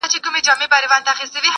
o د مچانو او ډېوې یې سره څه,